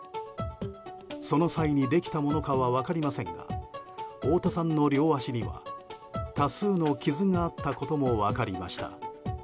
その際に、できたものかは分かりませんが大田さんの両足には多数の傷があったことも分かりました。